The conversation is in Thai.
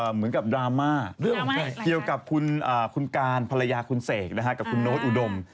เหมือนกับดราม่าเกี่ยวกับคุณการภรรยาคุณเสกนะฮะกับคุณโน้ตอุดม